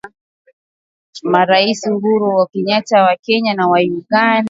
Marais Uhuru Kenyata wa Kenya